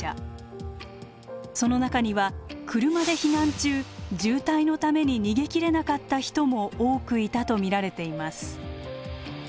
その中には車で避難中渋滞のために逃げきれなかった人も多くいたと見られています。